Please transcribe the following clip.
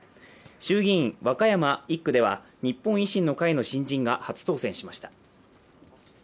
衆議院、和歌山１区では日本維新の会の新人が初当選しました。